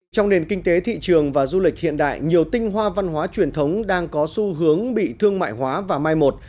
trong nền kinh tế thị trường và du lịch hiện đại nhiều tinh hoa văn hóa truyền thống đang có xu hướng bị thương mại hóa và mai một